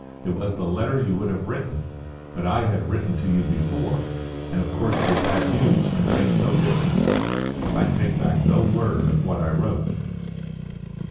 "It was the letter you would have written. But I had written to you before, and of course your bad news could make no difference. I take back no word of what I wrote."